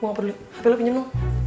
gua ga perlu hp lu pinjem dong